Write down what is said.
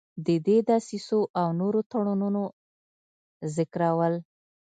د دې دسیسو او نورو تړونونو ذکرول.